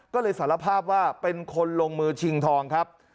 ก็เลยสารภาพว่าเป็นคนลงมือชิงทองครับ